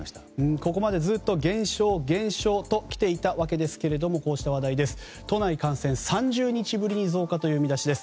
ここまでずっと減少、減少ときていたわけですがこうした話題です。